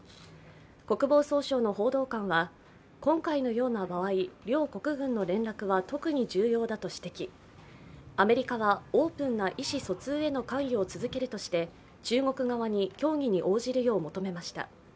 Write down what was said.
国防総省の報道官は今回のような場合諒子湖群の連絡は特に重要だと指摘、アメリカはオープンな意思疎通への関与を続けるとして中国側に協議に応じるよう求めました。